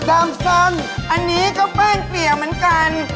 ดำส้นอันนี้ก็แป้งเกียร์เหมือนกัน